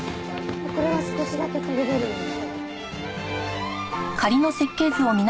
これが少しだけ飛び出るように。